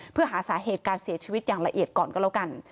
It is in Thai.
เพื่อหาสาเหตุการเสียชีวิตอย่างละเอียดก่อนก็แล้วกัน